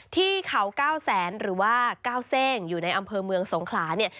ที่เขา๙แสนหรือว่า๙เซ่งอยู่ในอำเภอเมืองสงขลาเนี่ย